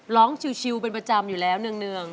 ชิวเป็นประจำอยู่แล้วเนื่อง